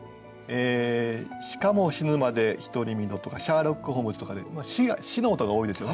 しかも死ぬまで獨身の」とか「シャーロック・ホームズ」とかで「し」の音が多いですよね。